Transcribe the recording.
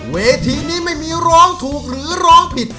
เวทีนี้ไม่มีร้องถูกหรือร้องผิด